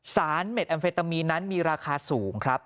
เม็ดแอมเฟตามีนนั้นมีราคาสูงครับ